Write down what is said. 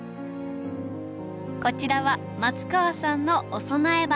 こちらは松川さんのお供え花。